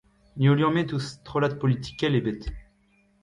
N'eo liammet ouzh strollad politikel ebet.